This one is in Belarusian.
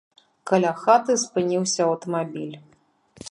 Каля хаты спыніўся аўтамабіль.